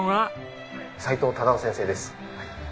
齋藤忠夫先生です。